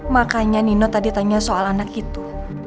makanya nino tadi tanya soal anak itu